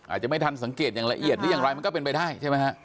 อาจจะไม่ทันสังเกตอย่างละเอียดยังไงมันก็เป็นใบทายใช่ไหมฮะ